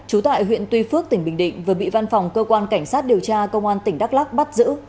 trú tại huyện tuy phước tỉnh bình định vừa bị văn phòng cơ quan cảnh sát điều tra công an tỉnh đắk lắc bắt giữ